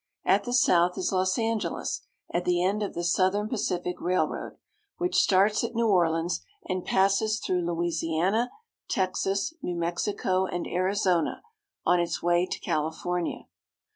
At the south is Los Angeles, at the end of the Southern Pacific Railroad, which starts at New Orleans, and passes through Louisiana, Texas, New Mexico, and Arizona, on its way to CaHfornia.